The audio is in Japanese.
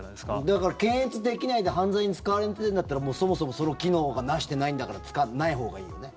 だから検閲できないで犯罪に使われてんだったらそもそも、その機能が成してないんだから使わないほうがいいよね。